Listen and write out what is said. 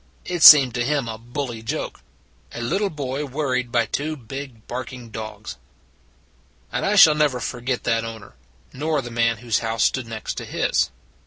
It seemed to him a bully joke a little boy worried by two big barking dogs. I shall never forget that owner nor A Dog Runs Out and Barks 217 the man whose house stood next to his.